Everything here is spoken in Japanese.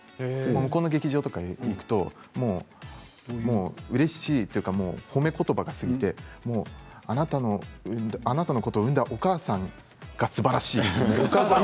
向こうの劇場に行くと本当にうれしいというか褒め言葉すぎてあなたのことを産んだお母さんがすばらしいって。